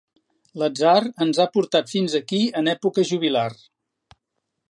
L'atzar ens ha portat fins aquí en època jubilar.